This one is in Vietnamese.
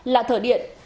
lạ thở điện